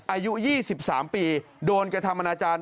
อายุ๒๓ปีโดนกระทำอนาจารย์